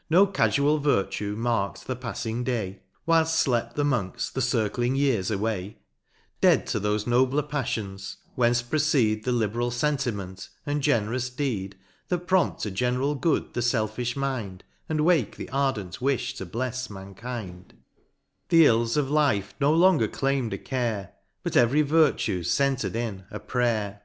— No cafual Virtue mark'd the pafling day, Whilft flept the Monks the circling years away ; Dead to thofe nobler paflions, whence proceed The liberal fentiment, and generous deed, That prompt to general good the felfifh mind, And wake the ardent wifli to blefs mankind : The ills of life no longer claim'd a care, But every Virtue center'd in — a Prayer.